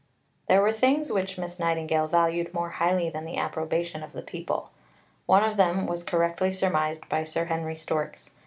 There were things which Miss Nightingale valued more highly than the approbation of the people. One of them was correctly surmised by Sir Henry Storks.